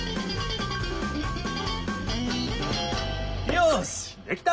よしできた！